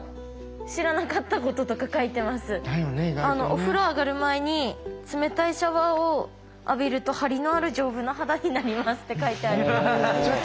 お風呂上がる前に冷たいシャワーを浴びるとハリのある丈夫な肌になりますって書いてあります。